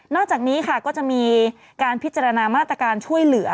อกจากนี้ค่ะก็จะมีการพิจารณามาตรการช่วยเหลือ